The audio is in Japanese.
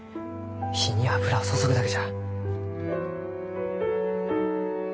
火に油を注ぐだけじゃ。